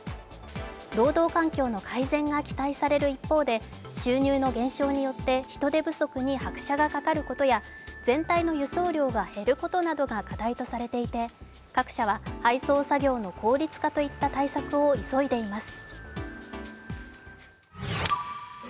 労働環境の改善が期待される一方で収入の減少によって人手不足に拍車がかかることや、全体の輸送量が減ることなどが課題とされていて各社は配送作業の効率化といった対策を急いでいます。